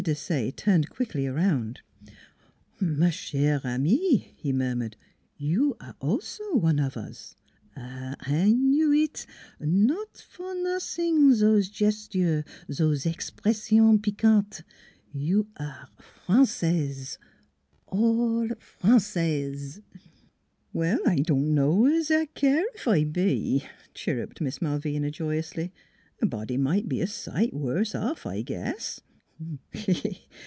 Desaye turned quickly around. " Ma chere amie," he murmured, " you aire also one of us. ... Ah h h ! I knew it : not for nossing zose gesture zose expression piquante. You aire Francaise all Frangaise! "" Well, I don' know es I care ef I be !" chir ruped Miss Malvina joyously. " A body might be a sight worse off, I guess.